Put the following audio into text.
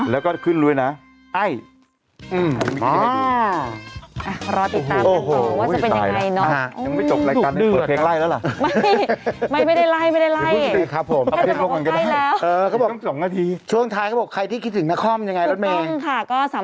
แล้วก็ขึ้นเลยนะไอ้อ๋อรอติดตามกันต่อว่าจะเป็นยังไงเนอะ